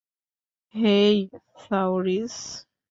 হেই, সাওরিস।